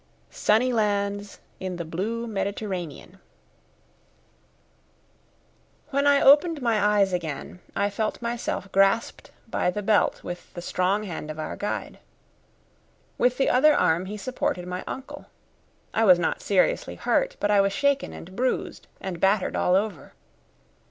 SUNNY LANDS IN THE BLUE MEDITERRANEAN When I opened my eyes again I felt myself grasped by the belt with the strong hand of our guide. With the other arm he supported my uncle. I was not seriously hurt, but I was shaken and bruised and battered all over.